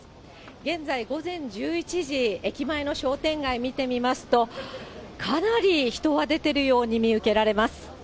現在午前１１時、駅前の商店街見てみますと、かなり人は出てるように見受けられます。